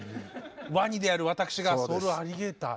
ワニである私がソウルアリゲーター。